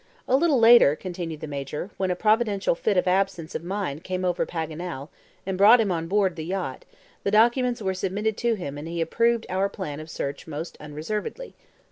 "A little later," continued the Major, "when a providential fit of absence of mind came over Paganel, and brought him on board the yacht, the documents were submitted to him and he approved our plan of search most unreservedly."